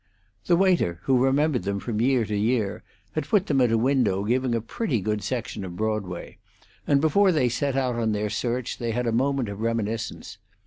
The waiter, who remembered them from year to year, had put them at a window giving a pretty good section of Broadway, and before they set out on their search they had a moment of reminiscence.